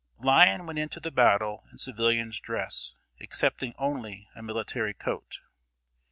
] Lyon went into the battle in civilian's dress, excepting only a military coat.